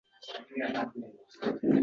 Bosh shifokor bu g‘alati bemorga qaradi.